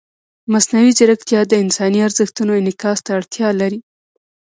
مصنوعي ځیرکتیا د انساني ارزښتونو انعکاس ته اړتیا لري.